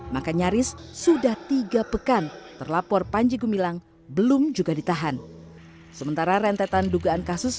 maka nyaris sudah tiga pekan terlapor panji gumilang belum juga ditahan sementara rentetan dugaan kasus